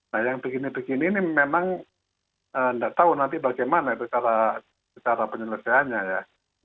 nah yang begini begini ini memang tidak tahu nanti bagaimana itu secara penyelesaiannya ya